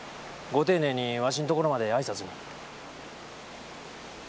ご丁寧にわしんところまで挨拶に。